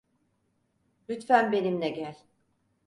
Lütfen benimle gel.